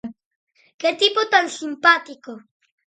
Que tipo tan simpático!